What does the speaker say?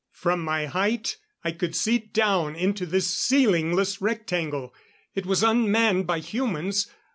From my height I could see down into this ceilingless rectangle. It was un manned by humans.